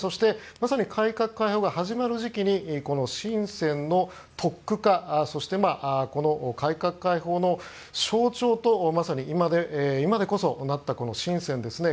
まさに改革開放が始まる時期にこのシンセンの特区化そして改革開放の象徴と、まさに今でこそなったシンセンですね